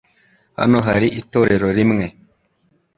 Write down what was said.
Hano hari itorero rimwe .